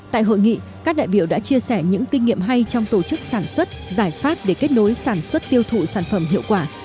tại hội nghị các đại biểu đã chia sẻ những kinh nghiệm hay trong tổ chức sản xuất giải pháp để kết nối sản xuất tiêu thụ sản phẩm hiệu quả